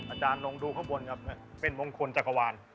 อาจารย์ลองดูข้างบนครับเป็นมงคลจักรวาล